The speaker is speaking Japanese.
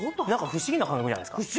不思議な感覚じゃないですか？